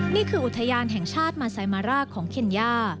นี่คืออุทยานแห่งชาติมาไซมาร่าของเคนย่า